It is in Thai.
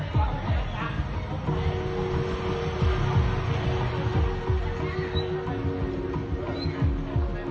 สวัสดีครับ